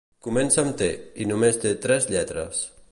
Comença amb te i només té tres lletres.